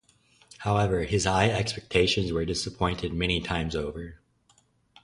However, his high expectations were disappointed many times over.